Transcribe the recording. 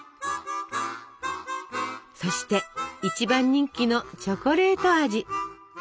そして一番人気のチョコレート味。